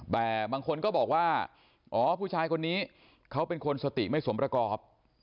แต่บางคนก็บอกว่าอ๋อผู้ชายคนนี้เขาเป็นคนสติไม่สมประกอบ